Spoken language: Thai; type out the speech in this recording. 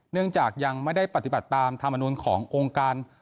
เนื่องจากยังไม่ได้ปฏิบัติตามธรรมนุนขององค์การ